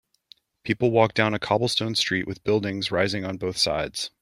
People walk down a cobblestone street with buildings rising on both sides.